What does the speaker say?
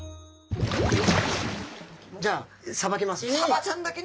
じゃあさばきますね。